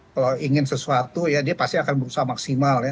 kalau ingin sesuatu ya dia pasti akan berusaha maksimal ya